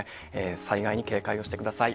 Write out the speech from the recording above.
災害に警戒をしてください。